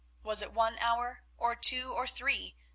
Was it one hour, or two or three?